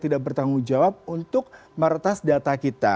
tidak bertanggung jawab untuk meretas data kita